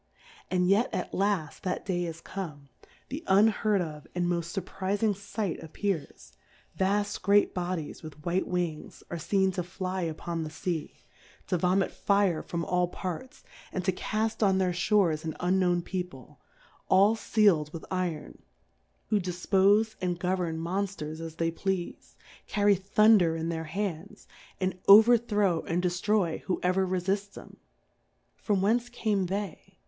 And yet at laft that Day is come ; the unheard of, and moft furprizing Sight appears; vaft great Bodies, with white Wings, are feen to fly upon the Sea, to vomit Fire from 6^ DifcouiTes on the from all Parts, and to caft on their Shores an unknown People, all fcaPd with Iron, who difpofe and govern Monfters as they pleafe ; carry Thun der in their Hands, and overthrow and deiiroy who ever refirfs 'em: From whence came they